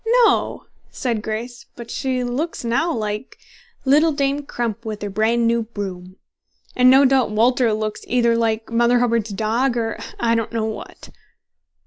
"No," said Grace; "but she looks now like "Little Dame Crump, with her brand new broom;" and no doubt Walter looks either like Mother Hubbard's dog, or or I don't know what."